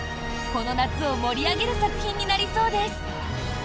この夏を盛り上げる作品になりそうです。